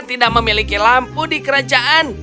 tidak memiliki lampu di kerajaan